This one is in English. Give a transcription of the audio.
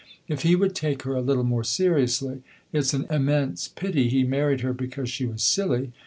If he would take her a little more seriously it 's an immense pity he married her because she was silly!